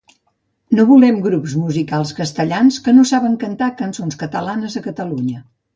No volem grups musicals castellans que no saben cantar cançons catalanes a Catalunya